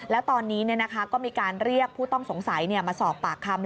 แล้วตอนนี้ก็มีการเรียกผู้ต้องสงสัยมาสอบปากคำ